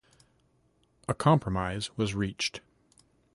A compromise was reached.